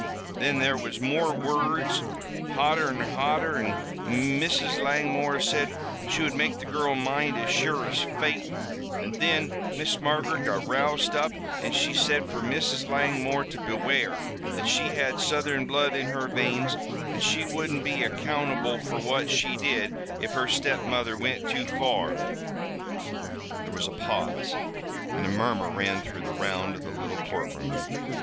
Thin there was more wurruds, hotter an' hotter, an' Mrs. Langmore said she would make the girrul mind as sure as fate, an' thin Miss Margaret got roused up an' she said fer Mrs. Langmore to beware, that she had Southern blood in her veins, an' she wouldn't be accountable fer what she did, if her stepmother wint too far." There was a pause, and a murmur ran the round of the little courtroom.